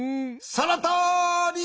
そのとおり！